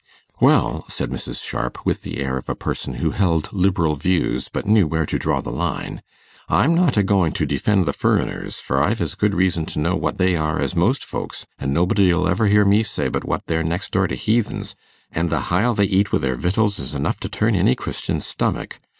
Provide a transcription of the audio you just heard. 'Well,' said Mrs. Sharp, with the air of a person who held liberal views, but knew where to draw the line, 'I'm not a going to defend the furriners, for I've as good reason to know what they are as most folks, an' nobody'll ever hear me say but what they're next door to heathens, and the hile they eat wi' their victuals is enough to turn any Christian's stomach.